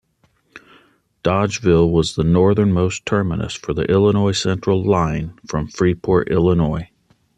Dodgeville was the northern most terminus for the Illinois Central line from Freeport Illinois.